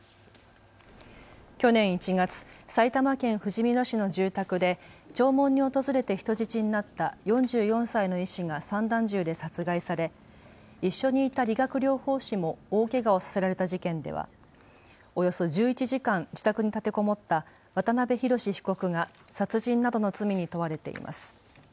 去年１月、埼玉県ふじみ野市の住宅で弔問に訪れて人質になった４４歳の医師が散弾銃で殺害され一緒にいた理学療法士も大けがをさせられた事件ではおよそ１１時間、自宅に立てこもった渡邉宏被告が殺人などの罪に問われています。